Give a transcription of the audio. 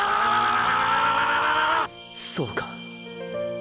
そうか。